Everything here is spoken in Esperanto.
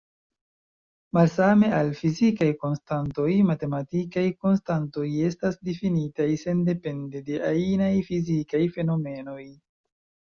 Malsame al fizikaj konstantoj, matematikaj konstantoj estas difinitaj sendepende de ajnaj fizikaj fenomenoj.